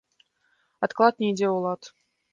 Адклад не ідзе ў лад